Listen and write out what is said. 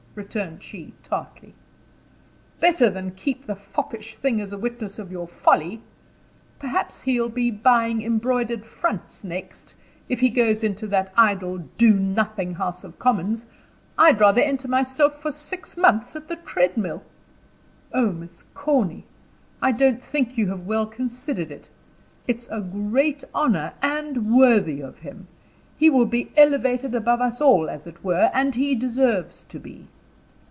returned she, tartly. "Better that than keep the foppish thing as a witness of your folly. Perhaps he'll be buying embroidered fronts next, if he goes into that idle, do nothing House of Commons. I'd rather enter myself for six months at the treadmill." "Oh, Miss Corny! I don't think you have well considered it. It's a great honor, and worthy of him. He will be elevated above us all, as it were, and he deserves to be."